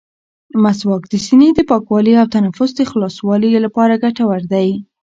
مسواک د سینې د پاکوالي او تنفس د خلاصوالي لپاره ګټور دی.